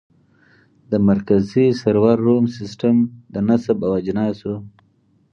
د مرکزي سرور روم سیسټم د نصب او اجناسو